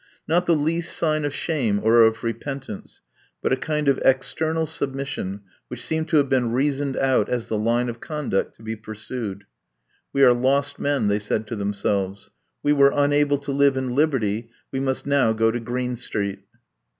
Not the least sign of shame or of repentance, but a kind of external submission which seemed to have been reasoned out as the line of conduct to be pursued. "We are lost men," they said to themselves. "We were unable to live in liberty; we must now go to Green Street."